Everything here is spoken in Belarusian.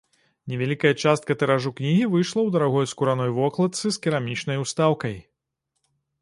Невялікая частка тыражу кнігі выйшла ў дарагой скураной вокладцы з керамічнай устаўкай.